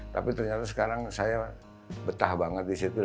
tapi ternyata sekarang saya betah banget disitu